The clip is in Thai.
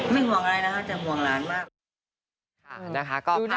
ห่วงอะไรนะคะแต่ห่วงหลานมาก